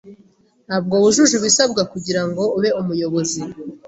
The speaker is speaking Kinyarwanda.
Ntabwo wujuje ibisabwa kugirango ube umuyobozi.